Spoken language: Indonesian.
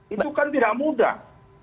itu kan tidak mudah